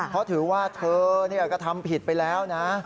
เพราะถือว่าเธอกระทำผิดไปแล้วนะ